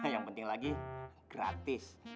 yang penting lagi gratis